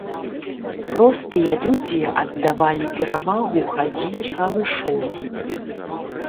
Простыя людзі аддавалі перавагу хадзіць галышом.